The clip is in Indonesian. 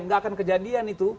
nggak akan kejadian itu